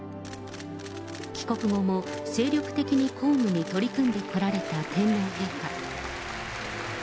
帰国後も、精力的に公務に取り組んでこられた天皇陛下。